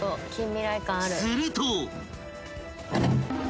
［すると］